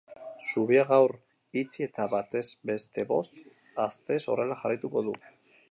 Zubia gaur itxi eta batez beste bost astez horrela jarraituko du.